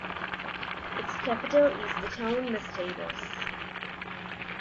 Its capital is the town Mosteiros.